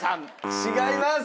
違います。